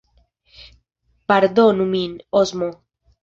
Pardonu min, Osmo!